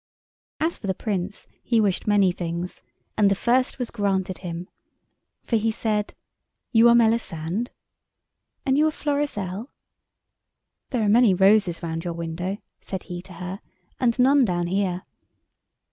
As for the Prince, he wished many things, and the first was granted him. For he said— "You are Melisande?" "And you are Florizel?" "There are many roses round your window," said he to her, "and none down here."